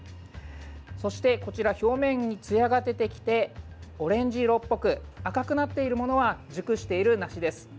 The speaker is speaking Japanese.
そして、こちら表面につやが出てきてオレンジ色っぽく赤くなっているものは熟している梨です。